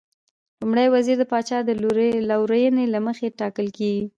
لومړی وزیر د پاچا د لورینې له مخې ټاکل کېږي.